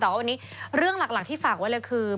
แต่ว่าวันนี้เรื่องหลักที่ฝากไว้เลยคือ